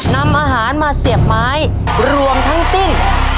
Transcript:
นำอาหารมาเสียบไม้รวมทั้งสิ้น